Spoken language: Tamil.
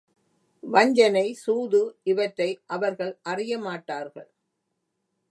வஞ்சனை, சூது இவற்றை அவர்கள் அறியமாட்டார்கள்.